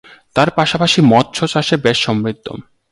তার পাশাপাশি মৎস্য চাষে বেশ সমৃদ্ধ